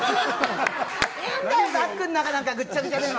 いいんだよ、バッグの中なんかぐっちゃぐちゃでも。